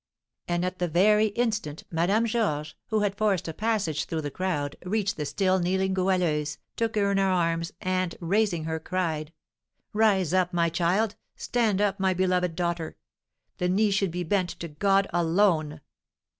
And at the very instant Madame Georges, who had forced a passage through the crowd, reached the still kneeling Goualeuse, took her in her arms, and, raising her, cried: "Rise up, my child! Stand up, my beloved daughter! the knee should be bent to God alone!"